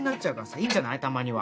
いいんじゃないたまには